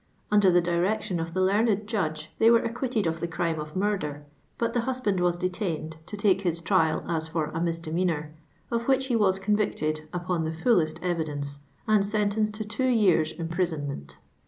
L'lidiT irje direction of the leiirned judge, they v,i':e at'(niiite«l of the crime of murder, but the luiHliand wa.4 detained to take his trial as for a mi. Mb'nKvinor, of which he was convicti d upon the fulK'st evidence, and sentenced to two years' im ptisonsiu'iit.